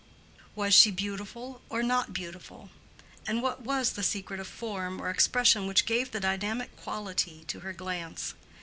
Was she beautiful or not beautiful? and what was the secret of form or expression which gave the dynamic quality to her glance?